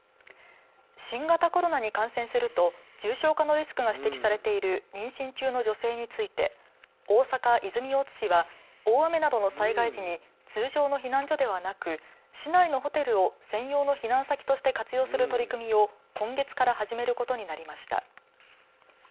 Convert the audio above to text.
新型コロナに感染すると重症化のリスクが指摘されている妊娠中の女性について大阪、泉大津市は大雨などの災害時に通常の避難所ではなく市内のホテルを専用の避難先として活用する取り組みを今月から始めることになりました。